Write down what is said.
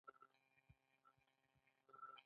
په پایله کې د اوسپنې مهم وخت راورسید.